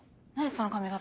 その髪形。